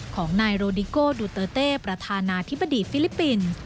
ของนายโรดิโก้ดูเตอร์เต้ประธานาธิบดีฟิลิปปินส์